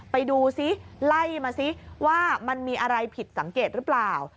ไปดูซิไล่มาซิว่ามันมีอะไรผิดสังเกตหรือเปล่า